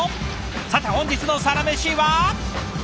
さて本日のサラメシは。